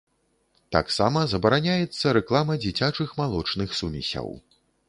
Таксама забараняецца рэклама дзіцячых малочных сумесяў.